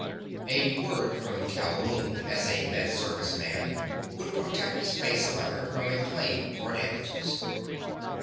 A word from Calhoun as a Med Service man would protect the spaceliner from a claim for damages.